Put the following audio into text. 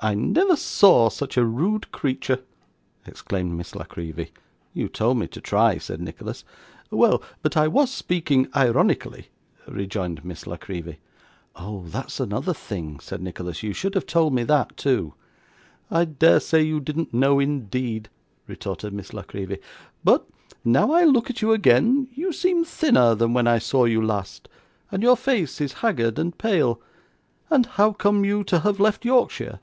'I never saw such a rude creature!' exclaimed Miss La Creevy. 'You told me to try,' said Nicholas. 'Well; but I was speaking ironically,' rejoined Miss La Creevy. 'Oh! that's another thing,' said Nicholas; 'you should have told me that, too.' 'I dare say you didn't know, indeed!' retorted Miss La Creevy. 'But, now I look at you again, you seem thinner than when I saw you last, and your face is haggard and pale. And how come you to have left Yorkshire?